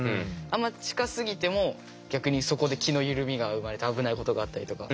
あんま近すぎても逆にそこで気の緩みが生まれて危ないことがあったりとか。